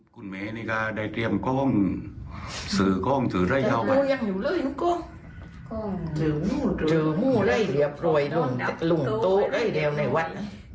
เจอมู้เรียบร้อยรุ่งโต๊ะไร้แดงในวัด